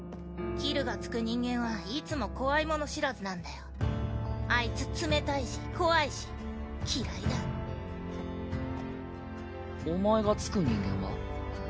キルが付く人間はいつも怖いもの知らずなんだよあいつ冷たいし怖いし嫌いだお前が付く人間は？